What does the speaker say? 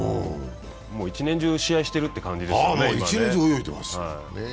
もう一年中試合してるって感じですね。